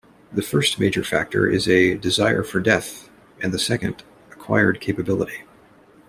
The first major factor is a "desire for death" and the second "acquired capability".